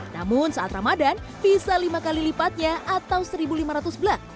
namun saat ramadan bisa lima kali lipatnya atau seribu lima ratus blang